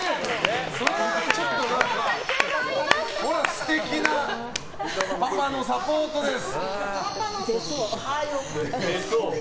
素敵なパパのサポートです。